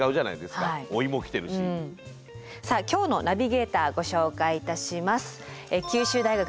さあ今日のナビゲーターご紹介いたします。